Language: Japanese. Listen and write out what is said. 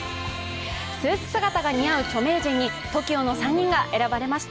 スーツ姿が似合う著名人に、ＴＯＫＩＯの３人が選ばれました。